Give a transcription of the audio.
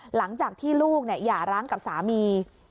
หลังจากที่ลูกหย่าร้างกับสามี